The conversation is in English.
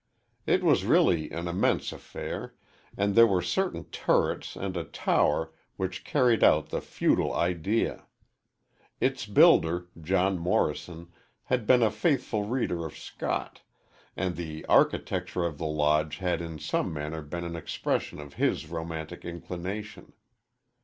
It was really an immense affair, and there were certain turrets and a tower which carried out the feudal idea. Its builder, John Morrison, had been a faithful reader of Scott, and the architecture of the Lodge had in some manner been an expression of his romantic inclination.